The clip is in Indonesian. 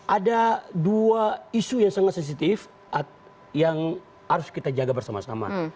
ada dua isu yang sangat sensitif yang harus kita jaga bersama sama